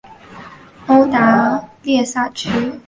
欧达列萨区是马德里人口结构最为年轻的区之一。